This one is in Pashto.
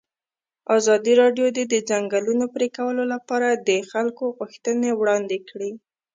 ازادي راډیو د د ځنګلونو پرېکول لپاره د خلکو غوښتنې وړاندې کړي.